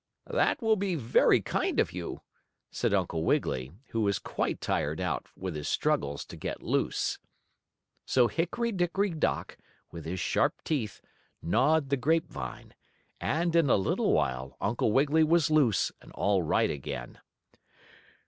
"That will be very kind of you," said Uncle Wiggily, who was quite tired out with his struggles to get loose. So Hickory Dickory Dock, with his sharp teeth, gnawed the grape vine, and, in a little while, Uncle Wiggily was loose and all right again.